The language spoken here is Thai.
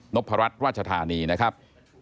พรัชราชธานีนะครับ